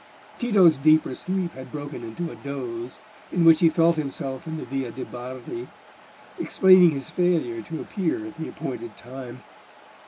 Tito's deeper sleep had broken into a doze, in which he felt himself in the Via de' Bardi, explaining his failure to appear at the appointed time.